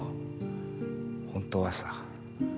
本当はさ